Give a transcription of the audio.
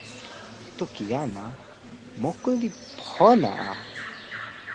toki jan la moku li pona a.